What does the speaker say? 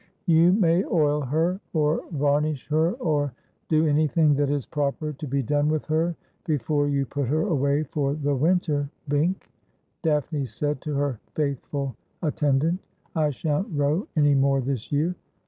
' You may oil her, or varnish her, or do anything that is proper to be done with her before you put her away for the winter, Bink,' Daphne said to her faithful attendant ;' I shan't row any more this year.'